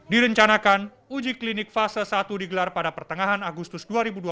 direncanakan uji klinik fase satu digelar pada pertengahan agustus dua ribu dua puluh